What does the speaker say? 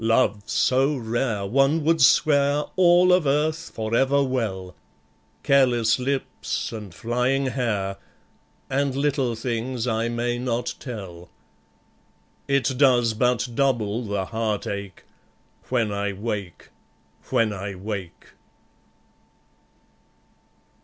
Love so rare, one would swear All of earth for ever well Careless lips and flying hair, And little things I may not tell. It does but double the heart ache When I wake, when I wake.